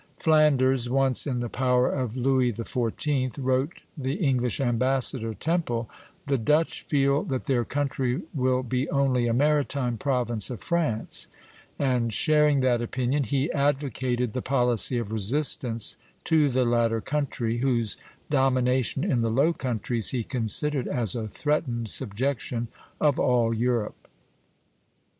"Flanders once in the power of Louis XIV.," wrote the English ambassador Temple, "the Dutch feel that their country will be only a maritime province of France;" and sharing that opinion, "he advocated the policy of resistance to the latter country, whose domination in the Low Countries he considered as a threatened subjection of all Europe.